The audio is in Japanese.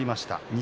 錦